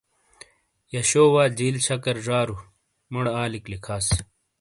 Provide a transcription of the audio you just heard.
یہ شو وا جِیل شَکر زارُو مُوڑے آلِیک لِکھاس۔